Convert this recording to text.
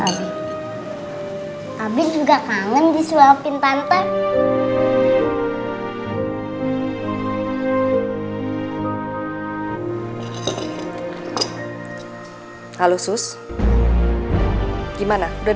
kali ini tante dewi lagi kangen banget pengen suapin abi